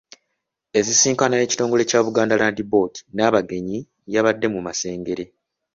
Ensisinkano y'ekitongole kya Buganda Land Board n'abagenyi yabadde mu Masengere.